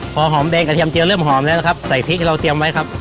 พอหอมแดงกระเทียมเจียเริ่มหอมแล้วนะครับใส่พริกเราเตรียมไว้ครับ